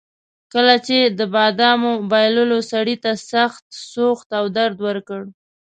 کله چې د بادامو بایللو سړي ته سخت سوخت او درد ورکړ.